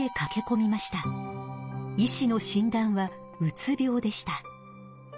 医師のしん断は「うつ病」でした。